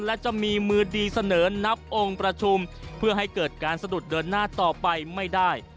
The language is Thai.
และจะมีมือดีเสนอนับองค์ประชุมเพื่อให้เกิดการสะดุดเดินหน้าต่อไปไม่ได้